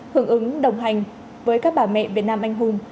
hưởng ứng đồng hành với các bà mẹ việt nam anh hùng